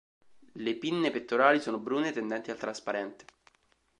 Le pinne pettorali sono brune, tendenti al trasparente.